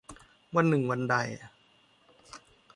วันหนึ่งวันใด